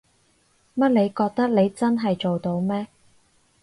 乜你覺得你真係做到咩？